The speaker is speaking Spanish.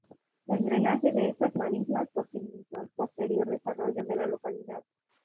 El drenaje de estas marismas posibilitó el posterior desarrollo de la localidad.